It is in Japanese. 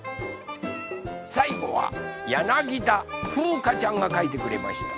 さいごはやなぎだふうかちゃんがかいてくれました。